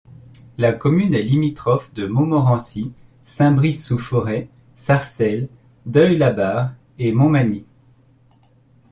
La commune est limitrophe de Montmorency, Saint-Brice-sous-Forêt, Sarcelles, Deuil-la-Barre et Montmagny.